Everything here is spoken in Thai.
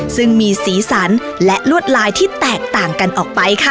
ซึ่งมีสีสันและลวดลายที่แตกต่างกันออกไปค่ะ